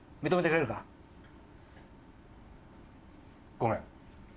ごめん。